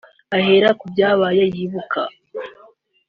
ihera ku byabaye yibuka